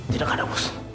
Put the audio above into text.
tidak ada bos